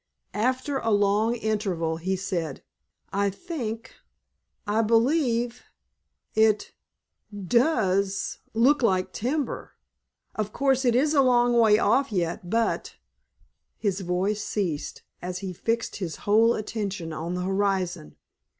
After a long interval he said, '"I think—I believe—it does look like timber! Of course it is a long way off yet—but——" His voice ceased, as he fixed his whole attention on the horizon.